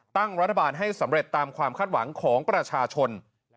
ตั้งรัฐบาลให้สำเร็จตามความคาดหวังของประชาชน